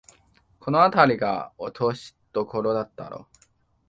このあたりが落としどころだろう